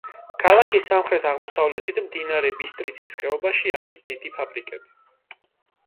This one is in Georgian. ქალაქის სამხრეთ-აღმოსავლეთით მდინარე ბისტრიცის ხეობაში არის დიდი ფაბრიკები.